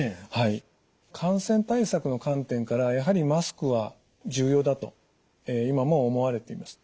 感染対策の観点からやはりマスクは重要だと今も思われています。